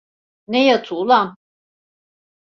Ne yatı ulan?